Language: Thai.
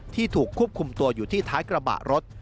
ถูกควบคุมตัวอยู่ที่ท้ายกระบะรถ